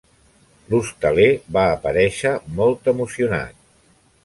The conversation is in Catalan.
L'hostaler va aparèixer molt emocionat.